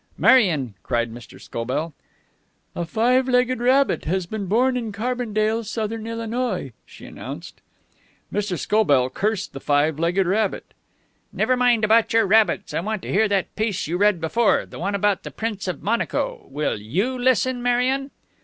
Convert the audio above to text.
"Marion!" cried Mr. Scobell. "A five legged rabbit has been born in Carbondale, Southern Illinois," she announced. Mr. Scobell cursed the five legged rabbit. "Never mind about your rabbits. I want to hear that piece you read before. The one about the Prince of Monaco. Will you listen, Marion!"